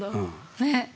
ねっ。